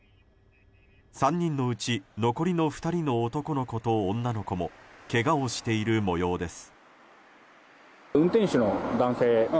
３人のうち残り２人の男の子と女の子もけがをしている模様です。